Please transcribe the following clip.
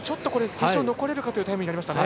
決勝残れるかというタイムになりましたね。